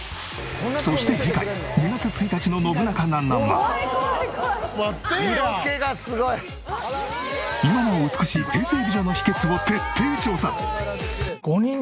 そして次回２月１日の『ノブナカなんなん？』は。今なお美しい平成美女の秘訣を徹底調査！